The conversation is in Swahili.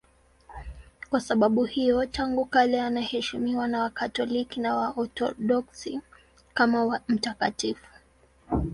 Kwa sababu hiyo tangu kale anaheshimiwa na Wakatoliki na Waorthodoksi kama mtakatifu.